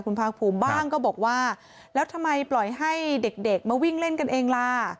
คุณภาคภูมิบ้างก็บอกว่าแล้วทำไมปล่อยให้เด็กมาวิ่งเล่นกันเองล่ะ